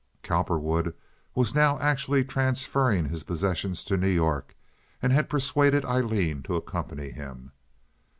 Cowperwood was now actually transferring his possessions to New York, and had persuaded Aileen to accompany him.